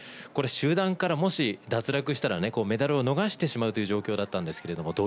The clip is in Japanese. これ、集団からもし脱落したらね、メダルを逃してしまうという状況だったんですけれども、